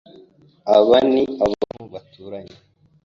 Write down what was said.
Aba ni abantu baturanye.